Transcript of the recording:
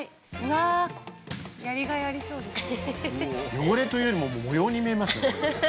汚れというよりも模様に見えますね。